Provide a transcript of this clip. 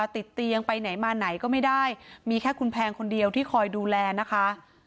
ติดเตียงไปไหนมาไหนก็ไม่ได้มีแค่คุณแพงคนเดียวที่คอยดูแลนะคะ